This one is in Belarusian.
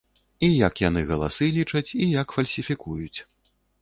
І як яны галасы лічаць, і як фальсіфікуюць.